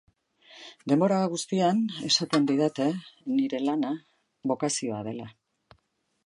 Denbora guztian esaten didate nire lana bokazioa dela.